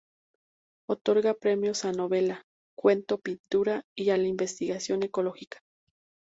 Otorga Premios a Novela, Cuento, Pintura y a la Investigación Ecológica.